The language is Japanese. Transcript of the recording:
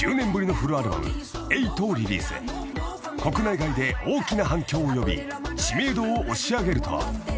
［国内外で大きな反響を呼び知名度を押し上げると］